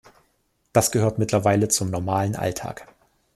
Das gehört mittlerweile zum normalen Alltag.